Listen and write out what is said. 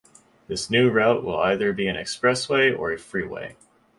This new route will either be an expressway or a freeway.